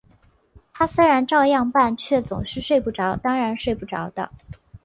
他虽然照样办，却总是睡不着，当然睡不着的